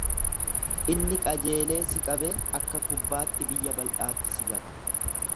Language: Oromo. Inni qajeelee si qabee akka kubbaatti biyya bal'aatti si gata.